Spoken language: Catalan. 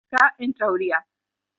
Què en trauria?